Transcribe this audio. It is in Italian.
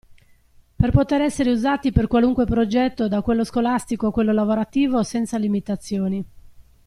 Per poter essere usati per qualunque progetto da quello scolastico a quello lavorativo senza limitazioni.